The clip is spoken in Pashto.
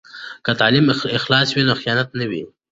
که تعلیم اخلاص وي، نو خیانت نه وي.